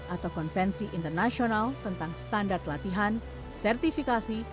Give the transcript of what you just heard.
atau konvensi internasional tentang standar latihan sertifikasi